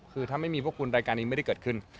คือถ้าไม่มีพวกคุณรายการนี้ไม่ได้เกิดขึ้น